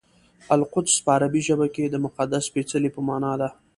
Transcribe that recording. القدس په عربي ژبه کې د مقدس سپېڅلي په مانا دی.